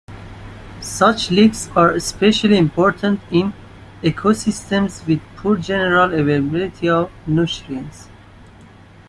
Such licks are especially important in ecosystems with poor general availability of nutrients.